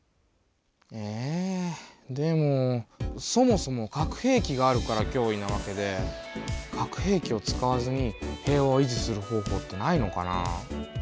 えでもそもそも核兵器があるからきょういなわけで核兵器を使わずに平和を維持する方法ってないのかな？